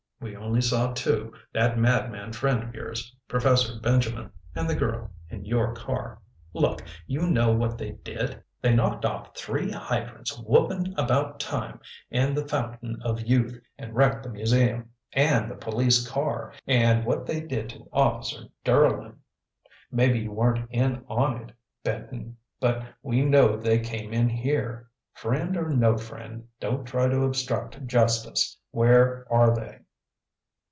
We only saw two, that madman friend of yours, Professor Benjamin, and the girl, in your car.... Look, you know what they did? They knocked off three hydrants whooping about time and the fountain of youth, and wrecked the museum; and the police car and what they did to Officer Durlin.... Maybe you weren't in on it, Benton, but we know they came in here. Friend or no friend, don't try to obstruct justice. Where are they?"